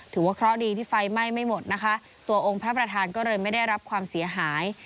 ถือว่าเคราะห์ดีที่ไฟไหม้ไม่หมดนะคะตัวองค์พระประธานก็เลยไม่ได้รับความเสียหาย